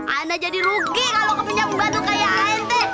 anda jadi rugi kalau kepencang pembantu kayak ente